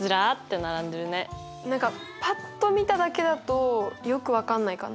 何かぱっと見ただけだとよく分かんないかな。